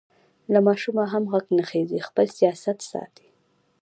له ماشومه هم غږ نه خېژي؛ خپل سیاست ساتي.